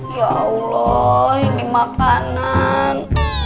ya allah ini makanan